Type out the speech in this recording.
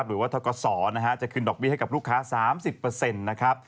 หรือว่าธกษจะคืนดอกเบี้ยให้กับลูกค้า๓๐